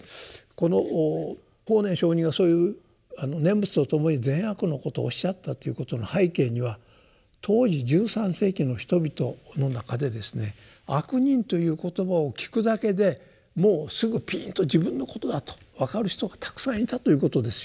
この法然上人がそういう念仏とともに善悪のことをおっしゃったということの背景には当時１３世紀の人々の中でですね「悪人」という言葉を聞くだけでもうすぐピーンと自分のことだと分かる人がたくさんいたということですよ。